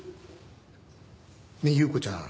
ねえ祐子ちゃん。